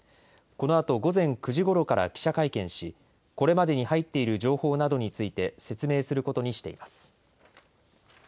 このあと午前９時ごろから記者会見しこれまでに入っている情報などについて説明することにしています。